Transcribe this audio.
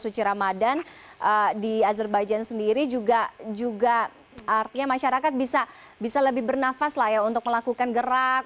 suci ramadan di azerbaijan sendiri juga artinya masyarakat bisa lebih bernafas lah ya untuk melakukan gerak